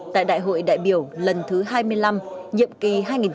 tại đại hội đại biểu lần thứ hai mươi năm nhiệm kỳ hai nghìn hai mươi hai nghìn hai mươi năm